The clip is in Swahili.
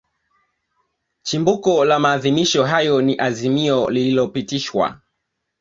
Chimbuko la maadhimisho hayo ni Azimio lililopitishwa